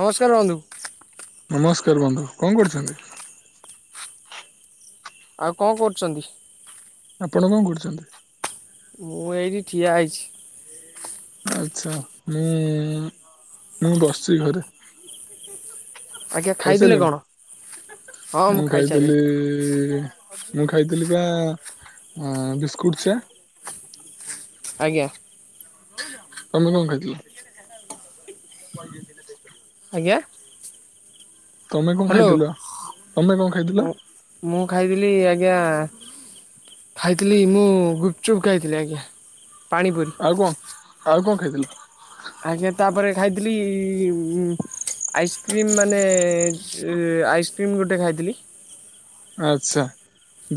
ନମସ୍କାର ବନ୍ଧୁ। ନମସ୍କାର ବନ୍ଧୁ। କଣ କରଛନ୍ତି? ଆଉ କଣ କରୁଚନ୍ତି? ଆପଣ କଣ କରୁଚନ୍ତି? ମୁଁ ଏଇଠି ଠିଆ ହେଇଚି। ଆଚ୍ଛା। ମୁଁ ମୁଁ ବସିଚି ଘରେ। ଆଜ୍ଞା ଖାଇଥିଲେ ଖାଇସାରିଲେଣି? କଣ? ହଁ ମୁଁ ଖାଇସାରିଲିଣି ଖାଇଥିଲି ମୁଁ ଖାଇଥିଲି ବା ଆ ବିସ୍କୁଟ୍ ଚା। ଆଜ୍ଞା। ତମେ କଣ ଖାଇଥିଲ? [unintelligible] ଆଜ୍ଞା। ତମେ କଣ ହ୍ୟାଲୋ ଖାଇଥିଲ? ତମେ କଣ ଖାଇଥିଲ? ମୁଁ ମୁଁ ଖାଇଥିଲି ଆଜ୍ଞା ଖାଇଥିଲି ମୁଁ ଗୁପଚୁପ୍ ଖାଇଥିଲି ଆଜ୍ଞା। ପାଣିପୁରୀ। ଆଉ କଣ? ଆଉ କଣ ଖାଇଥିଲ? ଆଜ୍ଞା ତାପରେ ଖାଇଥିଲି ଉଁ ଆଇସ୍କ୍ରିମ୍ ମାନେ ସେ ଆଇସ୍କ୍ରିମ୍ ଗୋଟେ ଖାଇଥିଲି। ଆଚ୍ଛା।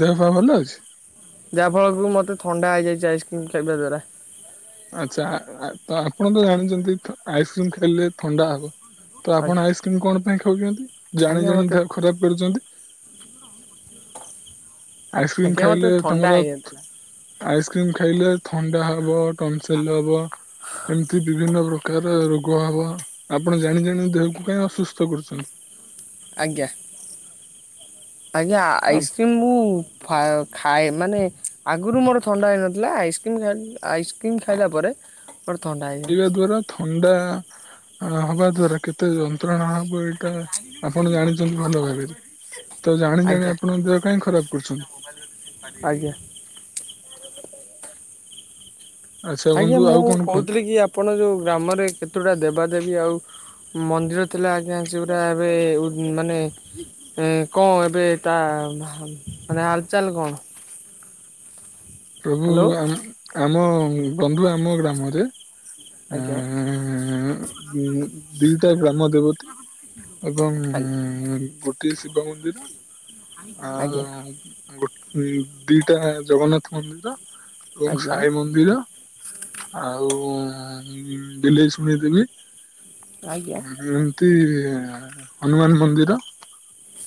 ଦେହ ପା ଭଲ ଅଛି? ଯାହା ଫଳକୁ ମତେ ଥଣ୍ଡା ହେଇଯାଇଚି ଆଇସ୍କ୍ରିମ୍ ଖାଇବା ଦ୍ଵାରା। ଆଚ୍ଛା। ଆ ଆ ତ ଆପଣ ତ ଜାଣିଛନ୍ତି ଆଇସ୍କ୍ରିମ୍ ଖାଇଲେ ଥଣ୍ଡା ହବ। ତ ଆପଣ ଆଜ୍ଞା ଆଇସ୍କ୍ରିମ୍ କଣ ପାଇଁ ଖାଉଛନ୍ତି। ଜାଣି ଆଜ୍ଞା ଜାଣି ମୋତେ ଦେହ ଖରାପ କରୁଛନ୍ତି। ଆଇସ୍କ୍ରିମ୍ ଆଜ୍ଞା ମୋତେ ଖାଇଲେ ଥଣ୍ଡା ତମର ହେଇଯାଇଥିଲା ଆଇସ୍କ୍ରିମ୍ ଖାଇଲେ ଥଣ୍ଡା ହବ ଟନସିଲ୍ ହବ। ଏମିତି ବିଭିନ୍ନ ପ୍ରକାର ର ରୋଗ ହବ। ଆପଣ ଜାଣି ଜାଣି ଦେହକୁ କାଇଁ ଅସୁସ୍ଥ କରୁଚନ୍ତି। ଆଜ୍ଞା। ଆଜ୍ଞା ଖାଇବା ଆଇସ୍କ୍ରିମ୍ ମୁଁ ଫାଓ ଖାଏ ମାନେ ଆଗରୁ ମୋର ଥଣ୍ଡା ହେଇନଥିଲା ଆଇସ୍କ୍ରିମ୍ ଖାଇ ଆଇସ୍କ୍ରିମ୍ ଖାଇଲା ପରେ ମୋର ଥଣ୍ଡା ହେଇ ପିଇବା ଦ୍ଵାରା ଥଣ୍ଡା ହବା ଦ୍ଵାରା କେତେ ଯନ୍ତ୍ରଣା ହବ ଏଇଟା ଆପଣ ଜାଣିଚନ୍ତି ଭଲ ଭାବେ। ତ ଜାଣି ଜାଣି ଆଜ୍ଞା ଆପଣଙ୍କ ଦେହ କାଇଁ ଖରାପ କରୁଛନ୍ତି। ଆଜ୍ଞା। ଆଚ୍ଛା ଆଜ୍ଞା ବନ୍ଧୁ ଆଉ ମୁଁ କଣ କୁହନ୍ତୁ କହୁଥିଲି କି ଆପଣ ଯେଉ ଗ୍ରାମରେ କେତୁଟା ଦେବାଦେବୀ ଆଉ ମନ୍ଦିର ଥିଲା ଆଜ୍ଞା ସେଗୁରା ଏବେ ଉଦ୍ ମାନେ ଏ କଣ ଏବେ ତା ମାନେ ହାଲ୍ ଚାଲ୍ କଣ? [inaudible] ପ୍ରଭୁ ହ୍ୟାଲୋ ଆମ୍ ଆମ ବନ୍ଧୁ ଆମ ଗ୍ରାମରେ ଆଜ୍ଞା। ଉଁ ଉଁ ଦିଟା ଗ୍ରାମ ଦେବତୀ ଏବଂ ଆଜ୍ଞା ଗୋଟିଏ ଶିବ ମନ୍ଦିର ଆଉ ଆଜ୍ଞା ଗୋରେ ଦିଟା ଜଗନ୍ନାଥ ମନ୍ଦିର ଓମ୍ ଆଜ୍ଞା ସାଇ ମନ୍ଦିର ଆଉ ଆଁ ଦେଲି ଶୁଣେଇ ଦେଲି। ଆଜ୍ଞା ଏମତି ଆ ହନୁମାନ ମନ୍ଦିର।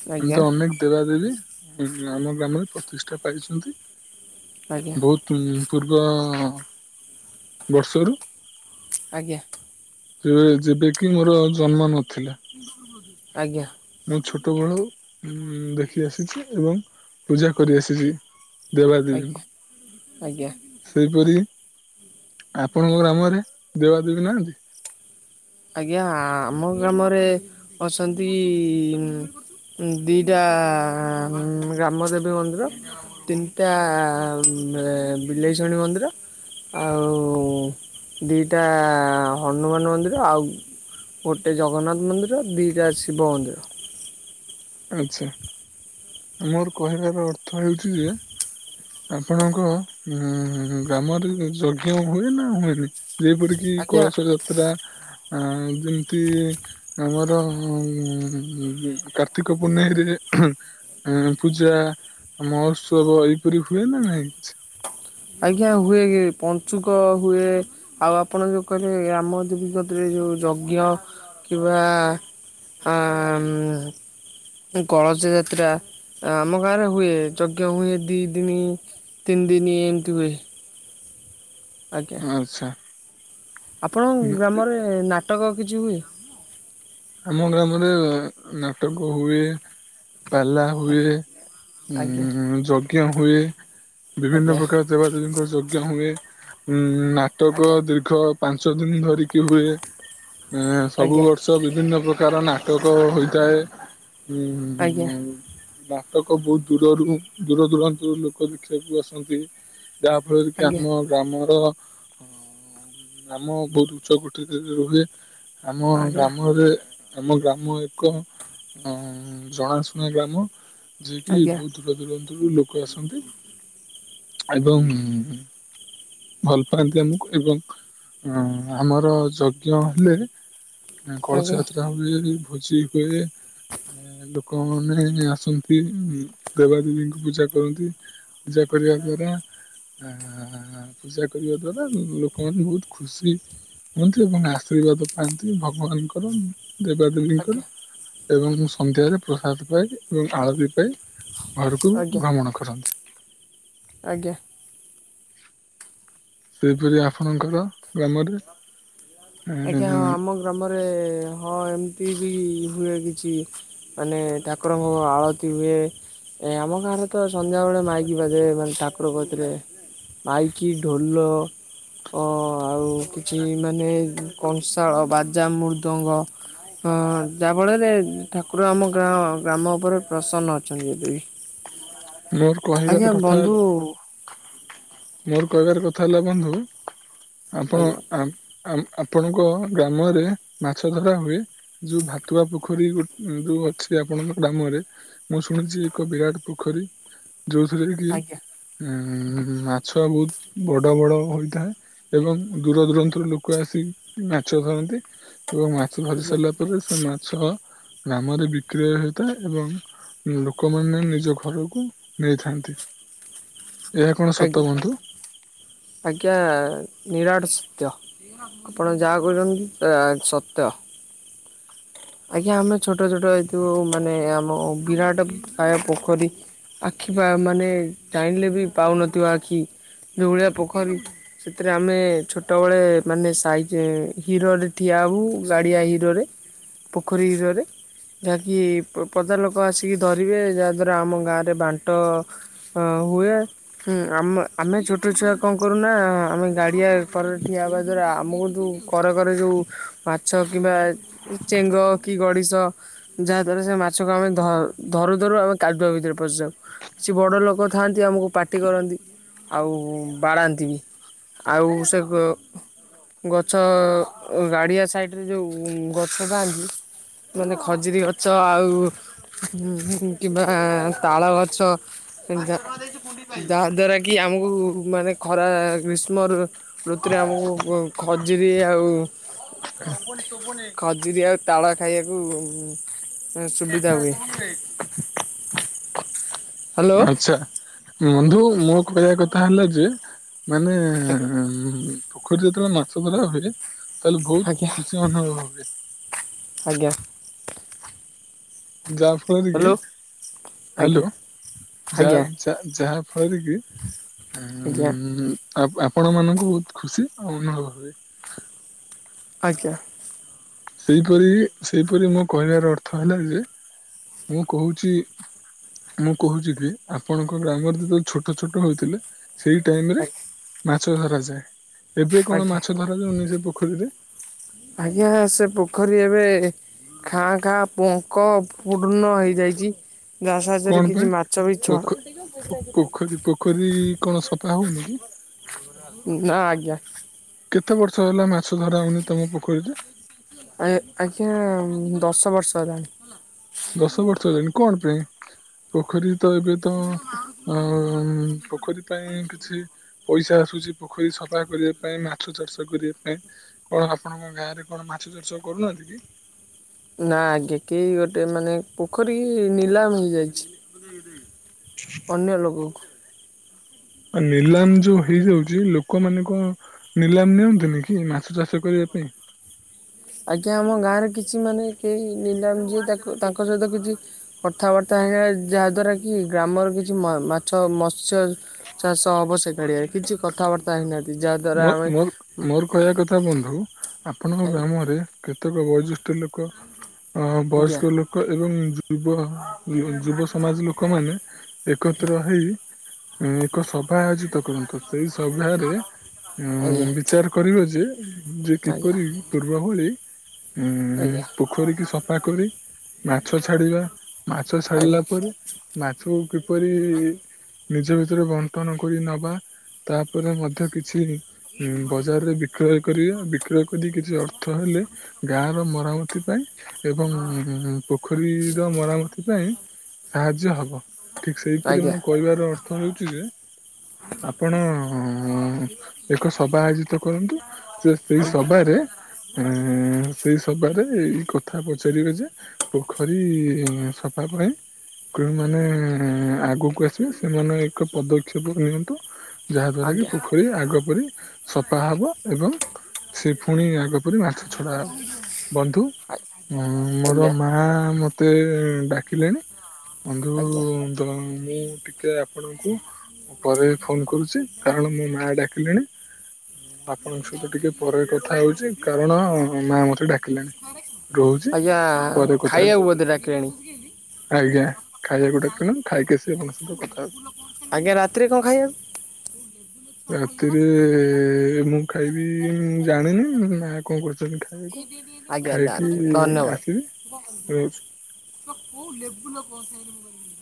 ଆଜ୍ଞା ଏମତି ଅନେକ ଦେବାଦେବୀ ଆମ ଗ୍ରାମରେ ପ୍ରତିଷ୍ଠା ପାଇଛନ୍ତି। ଆଜ୍ଞା ବହୁତ ପୂ ପୂର୍ବ ବର୍ଷରୁ। ଆଜ୍ଞା। ଯେବେ କିି ମୋର ଜନ୍ମ ନଥିଲା। ଆଜ୍ଞା। ମୁଁ ଛୋଟବେଳୁ ଉଁ ଦେଖିଆସିଛି ଏବଂ ପୂଜା କରିଆସିଛି। ଆଜ୍ଞା ଆଜ୍ଞା ଆଜ୍ଞା ଦେବାଦେବୀଙ୍କୁ। ଆଜ୍ଞା ସେହିପରି ଆପଣଙ୍କ ଗ୍ରାମରେ ଦେବାଦେବୀ ନାହାଁନ୍ତି। ଆଜ୍ଞା ଆମ ଗ୍ରାମରେ ଅଛନ୍ତି ଉଁ ଦିଟା ଗ୍ରାମଦେବୀ ମନ୍ଦିର। ତିନିଟା ବିଲେଇଚଣ୍ଡୀ ମନ୍ଦିର। ଆଉ ଦିଟା ହନୁମାନ ମନ୍ଦିର। ଆଉ ଗୋଟେ ଜଗନ୍ନାଥ ମନ୍ଦିର ଦୁଇଟା ଶିବ ମନ୍ଦିର। ଆଚ୍ଛା। ମୋର କହିବାର ଅର୍ଥ ହେଉଛି ଯେ ଆପଣଙ୍କ ଉଁ ଗ୍ରାମରେ ଯଜ୍ଞ ହୁଏ ନା ହୁଏନି? ଯେପରିକି ଆଜ୍ଞା କଳସ ଯାତ୍ରା ଆଁ ଯେମତି ଆମର କାର୍ତ୍ତିକ ପୁନେଇଁରେ ହଁ ପୂଜା ମହୋତ୍ସବ ଏଇପରି ହୁଏ ନା ନାହିଁ କିଛି। ଆଜ୍ଞା ହୁଏ ପଞ୍ଚୁକ ହୁଏ। ଆଉ ଆପଣ ଯୋଉ କହିଲେ ଗ୍ରାମ ଦେବୀ କତିରେ ଯୋଉ ଯଜ୍ଞ କିମ୍ବା ହାଁ ମ। କଳସ ଯାତ୍ରା ଆମ ଗାଁରେ ହୁଏ ଯଜ୍ଞ ହୁଏ ଦି ଦିନି। ତିନ ଦିନ ଏମତି ହୁଏ। ଆଜ୍ଞା ଆଚ୍ଛା। ଆପଣଙ୍କ ଗ୍ରାମରେ ନାଟକ କିଛି ହୁଏ? ଆମ ଗ୍ରାମରେ ନାଟକ ହୁଏ ପାଲା ହୁଏ ଉ ଆଜ୍ଞା ଯଜ୍ଞ ହୁଏ ବିଭିନ୍ନ ଆଜ୍ଞା ପ୍ରକାର ଦେବାଦେବୀଙ୍କ ଯଜ୍ଞ ହୁଏ ଉଁ ନାଟକ ଆଜ୍ଞା ଦୀର୍ଘ ପାଞ୍ଚ ଦିନି ଧରିକି ହୁଏ ଏଁ ସବୁ ଆଜ୍ଞା ବର୍ଷ ବିଭିନ୍ନ ପ୍ରକାର ନାଟକ ହୋଇଥାଏ ଆଜ୍ଞା ଉଁ ନାଟକ ବହୁତ ଦୂରରୁ ଦୂର ଦୂରାନ୍ତରୁ ଲୋକ ଦେଖିବାକୁ ଆସନ୍ତି। ଯାହା ଫଳରେ କି ଆଜ୍ଞା ଆମ ଗ୍ରାମର ଆଁ ମ ଆମ ବହୁତ ଉଚ୍ଚ କୋଠରୀରେ ହୁଏ। ଆମ ଗ୍ରା ଘରେ ଆମ ଗ୍ରାମ ଏକ ଅ ଜଣାଶୁଣା ଗ୍ରାମ। ଯିଏ ଆଜ୍ଞା କିି ଆଜ୍ଞା ବହୁ ଦୂର ଦୁରାନ୍ତୁରୁ ଲୋକ ଆସନ୍ତି ଏବଂ ଭଲ ପାଆନ୍ତି ଆମକୁ ଏବଂ ଅଂ ଆମର ଯଜ୍ଞ ହେଲେ- ଆ କଳସ ଆଜ୍ଞା ଯାତ୍ରା ହୁଏ ଭୋଜି ହୁଏ। ଲୋକମାନେ ଆସନ୍ତି ଉଁ ଦେବାଦେବୀଙ୍କୁ ପୂଜା କରନ୍ତି। ପୂଜା କରିବା ଦ୍ଵାରା ଆ ଆ ଆ- ପୂଜା କରିବା ଦ୍ଵାରା ଲୋକମାନେ ବହୁତ ଖୁସି ହୁଅନ୍ତି ଏବଂ ଆଶୀର୍ବାଦ ପାଆନ୍ତି ଭ ମାଆଙ୍କର ଦେବା ଦେବୀଙ୍କର। ଏବଂ ସନ୍ଧ୍ୟାରେ ପ୍ରସାଦ ପାଇ ଏବଂ ଆଳତି ପାଇ ଘରକୁ ଆଜ୍ଞା ଭ୍ରମଣ କରନ୍ତି। ଆଜ୍ଞା। ସେହିପରି ଆପଣଙ୍କର ଗ୍ରାମରେ ଆଜ୍ଞା ହଁ ଆମ ଗ୍ରାମରେ ଏମତି ବି ହୁଏ କିଛି। ମାନେ ଠାକୁରଙ୍କୁ ଆଳତି ହୁଏ। ଏ ଆମ ଗାଁରେ ତ ସନ୍ଧ୍ୟା ବେଳେ ମାଇକି ବାଜେ ମାନେ ଠାକୁର କତିରେ। ମାଇକି ଢୋଲ ଅଁ ଆଉ କିଛି ମାନେ କଂଶାଳ ବାଜା ମୃଦଙ୍ଗ। ହଁ ଯାଆ ବଳରେ ଠାକୁର ଆମ ଗାଁ ଗ୍ରାମ ଉପରେ ପ୍ରସନ୍ନ ଅଛନ୍ତି ଯଦେକି। ମୋର କହିବାତ କଥା। ମୋର କହିବାର କଥା ହେଲା ବନ୍ଧୁ ଆପଣ ଆଜ୍ଞା ଆ ଆମ୍ ଆପଣଙ୍କ ଗ୍ରାମରେ ମାଛ ଧରା ହୁଏ? ଯୋଉ ଭାତୁଆ ପୋଖରୀ ଗୋ ଯୋଉ ଅଛି ଆପଣଙ୍କ ଗ୍ରାମରେ। ମୁଁ ଶୁଣିଛି ଏକ ବିରାଟ ପୋଖରୀ। ଯୋଉଥିରେ କି ଆଜ୍ଞା ଏଁ ମାଛ ବୋହୁତ ବଡ଼ ବଡ଼ ହୋଇଥାଏ। ଏବଂ ଦୂର ଦୂରାନ୍ତରୁ ଲୋକ ଆସି ମାଛ ଧରନ୍ତି। ଏବଂ ମାଛ ଧରି ଆଜ୍ଞା ସାରିଲା ପରେ ସେମାନ୍ ସହ ଗ୍ରାମରେ ବିକ୍ରୟ ହୋଇଥାଏ ଏବଂ ଲୋକମାନେ ନିଜ ଘରୁକୁ ନେଇଥାନ୍ତି। ଏହା କଣ ସତ ଆଜ୍ଞା। ବନ୍ଧୁ? ଆଜ୍ଞା ନିରାଟ ସତ୍ୟ। ଆପଣ ଯାହାକହିଚନ୍ତି ସେଇଆ ସତ। ଆଜ୍ଞା ଆମେ ଛୋଟ ଛୋଟ ହେଇଥିବୁ ମାନେ ଆମ ବିରାଟ କାୟ ପୋଖରୀ। ଆଖି ପା ମାନେ ଚାହିଁଲେ ବି ପାଉନଥିବ ଆଖି ଯୋଉଭଳିଆ ପୋଖରୀ। ସେଥିରେ ଆମେ ଛୋଟବେଳେ ମାନେ ସାଇଟି ହିଡ଼ରେ ଠିଆ ହବୁ ଗାଡ଼ିଆ ହିଡ଼ରେ। ପୋଖରୀ ହିରରେ। ଯାହାକି ପ ପଦା ଲୋକ ଆସିକି ଧରିବେ ଯାହାଦ୍ୱାରା ଆମ ଗାଁରେ ବାଂଟ ହଁ ହୁଏ। ହୁଁ ଆମେ ଆମେ ଛୋଟ ଛୁଆ କଣ କରୁନା ଆମେ ଗାଡିଆରେ କରରେ ଠିଆ ହେବା ଦ୍ଵାରା ଆମକୁ ଯୋଉ କରେ କରେ ଯୋଉ ମାଛ କିମ୍ବା ଚେଙ୍ଗ କି ଗଡ଼ିଶ। ଯାହାଦ୍ଵାରା ସେ ମାଛକୁ ଆମେ ଧ୍ ଧରୁ ଧରୁ ଆମେ କାଦୁଅ ଭିତରେ ପଶିଯାଉ। ସିଏ ବଡ଼ ଲୋକ ଥାଆନ୍ତି ଆମକୁ ପାଟି କରନ୍ତି ଆଉ ବାଡ଼ାନ୍ତିବି। ଆଉ ସେଗ୍ ଗଛ ଗଡିଆ ସାଇଟରେ ଯୋଉ ଗ ଛ ଥାନ୍ତି ମାନେ ଖଜିରୀ ଗଛ ଆଉ କିମ୍ବା ତାଳ ଗଛ ଯାହା ଯାହା ଦ୍ଵାରା କି କି ଆମକୁ ଉ ମାନେ ଖରା ଗ୍ରୀଷ୍ମରୁ ଋତୁରେ ଆମକୁ ଖଜୁରି ଆଉ ଶୁବୁନି। ଖଜୁରୀ ଆଉ ତାଳ ଖାଇଆକୁ ଉ ସୁବିଧା ହୁଏ। [inaudible] ହ୍ୟାଲୋ ଆଚ୍ଛା ବନ୍ଧୁ ମୋ କହିଆ କଥା ହେଲା ଯେ ମାନେ ଆଜ୍ଞା ପୋଖରୀ ଯେତେବେଳେ ମାଛ ଧରା ହୁଏ। ତାହେଲେ ଆଜ୍ଞା ଭଉତ ଖୁସି ଅନୁଭବ ହୁଏ। ଆଜ୍ଞା। ଯାହା ଫଳରେ କି ହ୍ୟାଲୋ ହ୍ୟାଲୋ ଆଜ୍ଞା ଆଜ୍ଞା ଯା-ଯା-ଯାହା ଫଳରେ କି ଆଜ୍ଞା ଉଁ ଆ ଆପଣ ମାନଙ୍କୁ ବହୁତ ଖୁସି ଅନୁଭବ ହୁଏ। ଆଜ୍ଞା। ସେହିପରି ସେହିପରି ମୋ କହିବାର ଅର୍ଥ ହେଲା ଯେ ମୁଁ କହୁଚି ମୁଁ କହୁଚି କି ଆପଣଙ୍କ ଗ୍ରାମରେ ଯେତେବେଳେ ଛୋଟ ଛୋଟ ହୋଇଥିଲେ ସେଇ ଟାଇମରେ ମାଛ ଧରାଯାଏ ଏବେ ଆଜ୍ଞା କଣ ଆଜ୍ଞା। ମାଛ ଧରାଯାଉ ସେ ପୋଖରୀରେ? ଆଜ୍ଞା ସେ ପୋଖରୀ ଏବେ ଖାଁ ଖାଁ ପଙ୍କ ପୂର୍ଣ୍ଣ ହେଇଯାଇଚି। କଣ ପାଇଁ ପୋଖ ପୋଖରୀ ପୋଖରୀ କଣ ସଫା ହଉନି କି? ନାଁ ଆଜ୍ଞା। କେତେ ବର୍ଷ ହେଲା ମାଛ ଧରା ହଉନି ତମ ପୋଖରୀରେ। ଆ ଆଜ୍ଞା ଦଶ ବର୍ଷ ହେଲାଣି। ଦଶ ବର୍ଷ ହେଲାଣି କଣ ପାଇଁ? ପୋଖରୀ ତ ଏବେ ତ ଅ ପୋଖରୀ ପାଇଁ କିଛି ପଇସା ଆସୁଛି ପୋଖରୀ ସଫା କରିବା ପାଇଁ ମାଛ ଚାଷ କରିବା ପାଇଁ। କଣ ଆପଣଙ୍କ ଗାଁ ରେ କଣ ମାଛ ଚାଷ କରୁନାହାନ୍ତି କି? ନା ଆଜ୍ଞା କି ଗୋଟେ ମାନେ ପୋଖରୀ କି ନିଲାମ ହେଇଯାଇଛି। ଅନ୍ୟ ଲୋକ ନିଲାମ ଯୋଉ ହେଇଯାଉଛି ଲୋକମାନେ ନିଲାମ ନିଅନ୍ତିନି କି ମାଛ ଚାଷ କରିବା ପାଇଁ? ଆଜ୍ଞା ଆମ ଗାଁରେ କିଛି ମାନେ କେହି ନିଲାମ ଯିଏ ତା ତାଙ୍କ ସହିତ କିଛି କଥାବାର୍ତ୍ତା ହେଇଗଲା ଯାହା ଦ୍ଵାରା କି ଗ୍ରାମର କିଛି ମାଛ ମତ୍ସ୍ୟ ଚାଷ ହବ ସେ ଗାଡିଆରେ କିଛି କଥାବାର୍ତ୍ତା ହେଇନାହାନ୍ତି ଯାହା ଦ୍ଵାରା ମୋ ଆମେ ମୋର ମୋର କହିବା କଥା ବନ୍ଧୁ ଆପଣଙ୍କ ଆଜ୍ଞା ଗ୍ରାମରେ କେତେକ ବୟୋଜ୍ୟେଷ୍ଠ ଲୋକ ଅ ଆଜ୍ଞା ବୟସ୍କ ଲୋକ ଏବଂ ଯୁବ ଯୁବ ସମାଜ ଲୋକମାନେ ଆଜ୍ଞା ଏକତ୍ର ହେଇ ଏକ ସଭା ଆୟୋଜିତ କରନ୍ତୁ ସେଇ ସଭାରେ ଆଜ୍ଞା ବିଚାର କରିବ ଯେ ଯେ ଆଜ୍ଞା କିପରି ପୂର୍ବ ଭଳି। ଉ ପୋଖରୀକୁ ସଫା କରି ମାଛ ଛାଡିବା ମାଛ ଆଜ୍ଞା ଛାଡିଲା ପରେ ମାଛ କିପରି ନିଜ ଭିତରେ ବଣ୍ଟନ କରି ନବା ତାପରେ ମଧ୍ୟ କିଛି ବଜାରରେ ବିକ୍ରୟ କରିବା ବିକ୍ରୟ କରି କିଛି ଅର୍ଥ ହେଲେ ଗାଁର ମରାମତି ପାଇଁ ଏବଂ ପୋଖରୀର ମରାମତି ପାଇଁ ସାହାଯ୍ୟ ହବ। ଠିକ ସେଇପରି ଆଜ୍ଞା ମୁଁ କହିବାର ଅର୍ଥ ହେଉଛି ଯେ ଆପଣ ଏକ ସଭା ଆୟୋଜିତ କରନ୍ତୁ। ସେ ସେଇ ଆଜ୍ଞା ସଭାରେ ଆ ସେଇ ସଭାରେ ଏଇ କଥା ପଚାରିବେ ଯେ ପୋଖରୀ ସଫା ପାଇଁ କେଉଁ ମାନେ ଆଗକୁ ଆସିବେ ସେମାନେ ଏକ ପଦକ୍ଷେପ ନିଅନ୍ତୁ। ଯାହାଦ୍ୱରା କି ଆଜ୍ଞା ପୋଖରୀ ଆଗ ପରି ସଫା ହବ ଏବଂ ସେ ପୁଣି ଆଗ ପରି ମାଛ ଛଡା ବନ୍ଧୁ ମୋର ଆଜ୍ଞା ଆଜ୍ଞା ମା ମ ମତେ ଡାକିଲେଣି ବନ୍ଧୁ ଆଜ୍ଞା ମୁଁ ଟିକେ ଟିକେ ଆପଣଙ୍କୁ ମୁ ପରେ ବି ଫୋନ କରୁଛି କାରଣ ମୋ ମା ଡାକିଲେଣି। ଆପଣଙ୍କ ସହିତ ଟିକେ ପରେ କଥା ହଉଛି କାରଣ ମା ମତେ ଡାକିଲାଣି। ଆଜ୍ଞା ହେବି ଖାଇବାକୁ ବୋଧେ ଡାକିଲେଣି? ଆଜ୍ଞା ଖାଇବାକୁଟାଣ ଖାଇକି ଆସି ଆପଣଙ୍କ ସହିତ କଥା ହେବଛି। ଆଜ୍ଞା ରାତିରେ କଣ ଖାଇବା? ରାତିରେ ମୁଁ ଖାଇବି ଜାଣିନି। କଣ କରୁଛନ୍ତି ଖାଇବାକୁ ଆଜ୍ଞା ଖାଇକି ଯାଆନ୍ତୁ ଆସିବି ର ସ କେଉ ଲେବୁ ଲ କସ କର [inaudible]